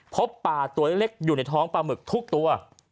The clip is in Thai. พบปลาตัวเล็กอยู่ในท้องปลาหมึกทุกตัว